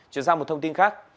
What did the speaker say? chuyển sang một thông tin khác